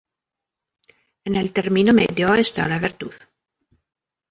En el termino medio esta la virtud.